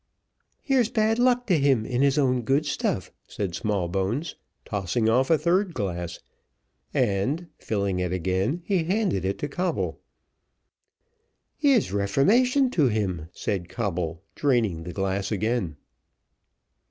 "Here's bad luck to him in his own good stuff," said Smallbones, tossing off a third glass, and, filling it again, he handed it to Coble. "Here's reformation to him," said Coble, draining the glass again.